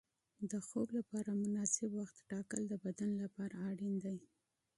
د خوب لپاره مناسب وخت ټاکل د بدن لپاره اړین دي.